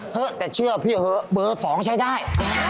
เฮ้แต่เชื่อพี่เฮ้เบอร์๒ใช้ได้